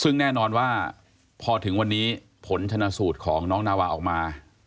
ซึ่งแน่นอนว่าพอถึงวันนี้ผลชนะสูตรของน้องนาวาออกมา